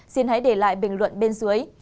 xin hãy để lại bình luận bên dưới